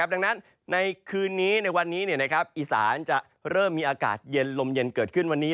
ดังนั้นในคืนนี้ในวันนี้อีสานจะเริ่มมีอากาศเย็นลมเย็นเกิดขึ้นวันนี้